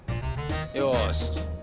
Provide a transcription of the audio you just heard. よし。